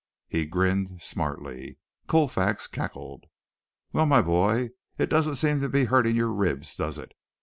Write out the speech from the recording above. He grinned smartly. Colfax cackled. "Well, my boy, it doesn't seem to be hurting your ribs, does it?